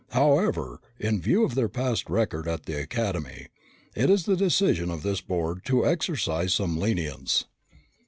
However, in view of their past record at the Academy, it is the decision of this board to exercise some lenience.